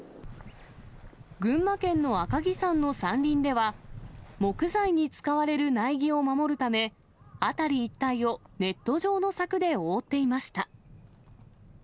群馬県の赤城山の山林では、木材に使われる苗木を守るため、辺り一帯をネット状の柵で覆っていました。